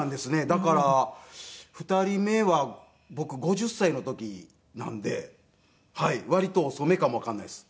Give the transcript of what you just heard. だから２人目は僕５０歳の時なんで割と遅めかもわかんないです。